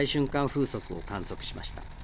風速を観測しました。